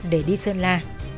để đi sơn la